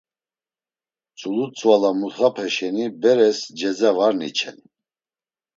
Tzulu tzvala mutxape şeni beres ceza var niçen.